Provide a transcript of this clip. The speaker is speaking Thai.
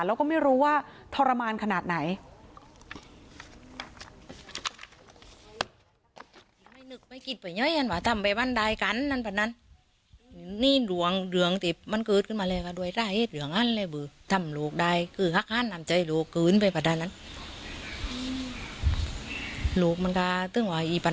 แล้วก็ไม่รู้ว่าทรมานขนาดไหน